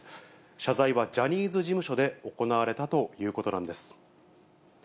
謝罪はジャニーズ事務所で行われたということなんです。